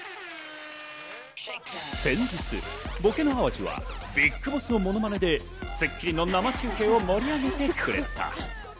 先日、ボケの淡路はＢＩＧＢＯＳＳのものまねで『スッキリ』の生中継を盛り上げてくれた。